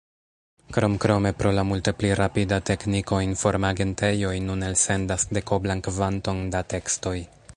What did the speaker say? Kromkrome pro la multe pli rapida tekniko, informagentejoj nun elsendas dekoblan kvanton da tekstoj.